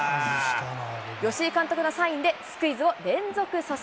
吉井監督のサインで、スクイズを連続阻止。